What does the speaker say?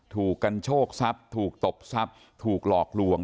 ถูกกันโชคทรัพย์ถูกตบทรัพย์ถูกหลอกลวง